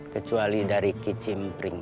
kecuali dari kicim pring